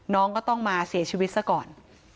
น้องก็ต้องมาเสียชีวิตซะก่อน